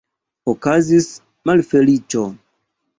Okazis malfeliĉo!